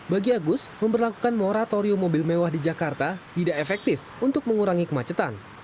bagi agus memperlakukan moratorium mobil mewah di jakarta tidak efektif untuk mengurangi kemacetan